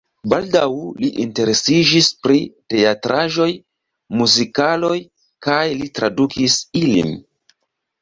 Baldaŭ li interesiĝis pri teatraĵoj, muzikaloj kaj li tradukis ilin.